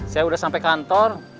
saya udah sampai kantor